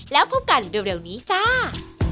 แล้วพบกันเร็วนี้จ้า